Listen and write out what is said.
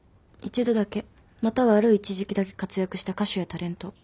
一度だけまたはある一時期だけ活躍した歌手やタレント」